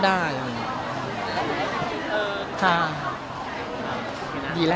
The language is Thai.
ใช่สบายละ